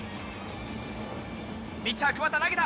ピッチャー、桑田、投げた。